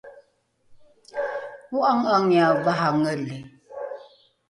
o’ange’angiae varangeli